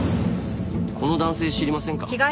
この男性知りませんか？